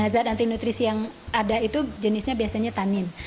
zat anti nutrisi yang ada itu jenisnya biasanya tanin